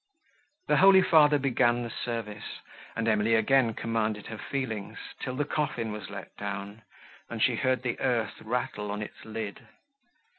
The holy father began the service, and Emily again commanded her feelings, till the coffin was let down, and she heard the earth rattle on its lid.